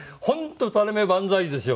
垂れ目万歳ですよ